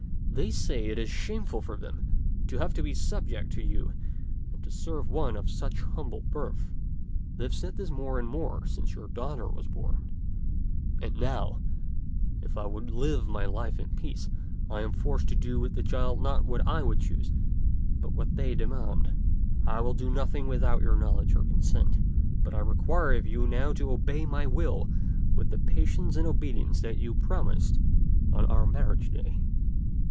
They say it is shameful for them to have to be subject to you and to serve one of such humble birth. They have said this more and more since your daughter was born ; and now, if I would live my life in peace, I am forced to do with the child not what I would choose, but what they demand. I will do nothing without your knowledge and consent ; but I require of you now to obey my will with the patience and obedience that you pro mised on our marriage day."